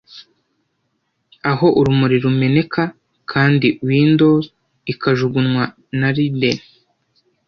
aho urumuri rumeneka, kandi windows ikajugunywa na linden,